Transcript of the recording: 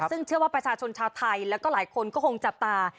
ซึ่งเชื่อว่าประชาชนชาวไทยแล้วก็หลายคนก็คงจับตา